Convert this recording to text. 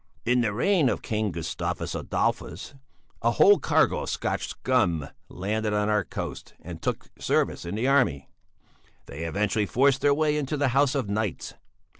"In the reign of King Gustavus Adolphus a whole cargo of Scotch scum landed on our coast and took service in the army; they eventually forced their way into the House of Knights.